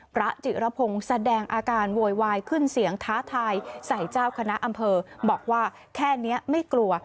พระจิรพงศ์แสดงอาการโวยวายขึ้นเสียงท้าทายใส่เจ้าคณะอำเภอบอกว่าแค่นี้ไม่กลัว